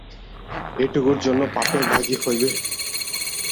এইটুকুর জন্য পাপের ভাগী হইবে?